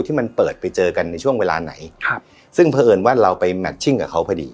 ที่มันเปิดไปเจอกันในช่วงเวลาไหนครับซึ่งเผอิญว่าเราไปแมทชิ่งกับเขาพอดี